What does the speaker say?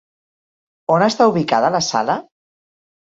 On està ubicada la sala?